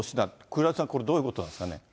黒井さん、これはどういうことなんでしょうかね。